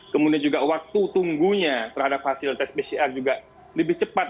kemudian juga waktu tunggunya terhadap hasil tes pcr juga lebih cepat